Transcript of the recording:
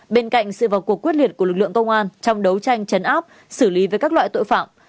bên cạnh sự vào cuộc quyết liệt của lực lượng công an trong đấu tranh chấn áp xử lý với các loại tội phạm